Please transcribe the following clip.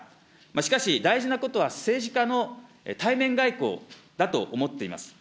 しかし、大事なことは政治家の対面外交だと思っています。